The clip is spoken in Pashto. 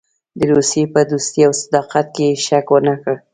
د روسیې په دوستۍ او صداقت کې یې شک ونه کړ.